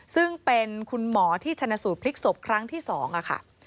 ซึ่งเป็นคุณหมอที่ชนะสูตรพลิกศพครั้งที่๒ค่ะ